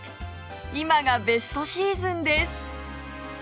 今がベストシーズンです！